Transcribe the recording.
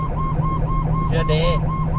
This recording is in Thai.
ผู้ชีพเราบอกให้สุจรรย์ว่า๒